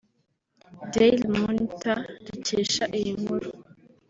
Daily monitor dukesha iyi nkuru